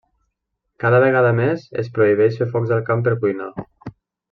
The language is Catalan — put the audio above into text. Cada vegada més es prohibeix fer focs al camp per cuinar.